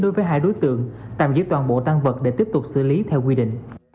đối với hai đối tượng tạm giết toàn bộ tan vật để tiếp tục xử lý theo quy định